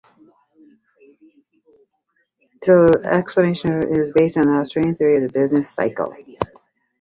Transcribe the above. This explanation is based on the Austrian theory of the business cycle.